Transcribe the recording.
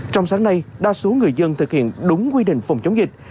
trong sáng nay đa số người dân thực hiện đúng quy định phòng chống dịch